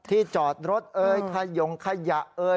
ที่จอดรถเอ่ยขยงขยะเอ่ย